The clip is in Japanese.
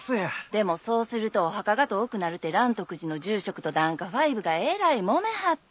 でもそうするとお墓が遠くなるて嵐徳寺の住職と檀家ファイブがえらいもめはって。